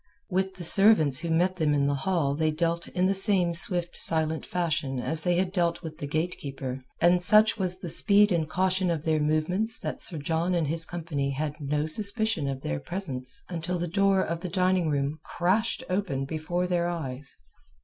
With the servants who met them in the hall they dealt in the same swift silent fashion as they had dealt with the gatekeeper, and such was the speed and caution of their movements that Sir John and his company had no suspicion of their presence until the door of the dining room crashed open before their eyes.